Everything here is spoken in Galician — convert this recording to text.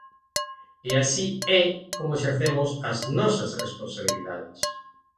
E así é como exercemos as nosas responsabilidades.